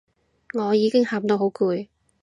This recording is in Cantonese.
我已經喊到好攰